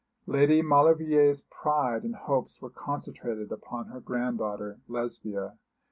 Lady Maulevrier's pride and hopes were concentrated upon her granddaughter Lesbia.